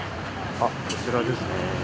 あっこちらですかね。